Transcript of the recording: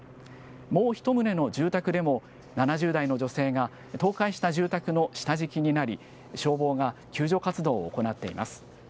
もう１棟の住宅でも、７０代の女性が倒壊した住宅の下敷きになり、消防が救助活動を行っています。